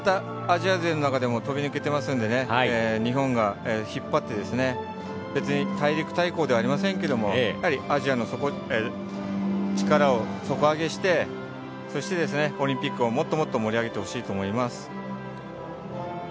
アジア勢の中でも飛び抜けていますので日本が引っ張って別に大陸対抗ではありませんがアジアの力を底上げしてオリンピックをもっともっと盛り上げてほしいと思います。